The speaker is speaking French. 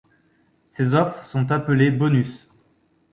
Ces offres sont appelées Bonus.